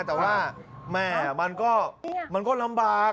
แต่ว่าแม่มันก็ลำบาก